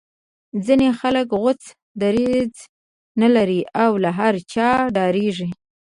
ځینې خلک غوڅ دریځ نه لري او له هر چا ډاریږي